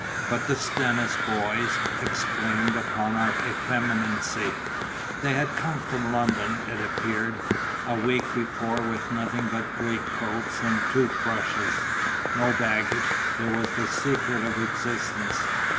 But the Stennis boys exclaimed upon our effeminacy. They had come from London, it appeared, a week before with nothing but greatcoats and tooth brushes. No baggage there was the secret of existence.